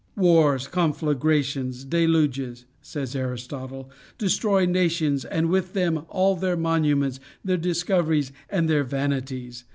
"Wars, conflagrations, deluges," says Aristotle, "destroy nations, and with them all their monuments, their discoveries, and their vanities.